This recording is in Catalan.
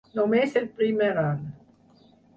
Només el primer any.